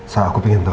saya ingin tahu